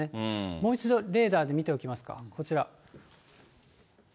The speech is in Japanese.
もう一度レーダーで見ておきますか。